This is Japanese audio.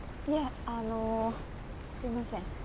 いえあのすみません。